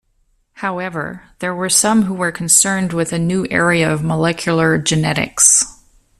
However, there were some who were concerned with the new area of Molecular Genetics.